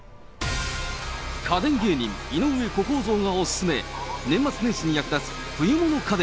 家電芸人、井上小公造がお勧め、年末年始に役立つ冬物家電。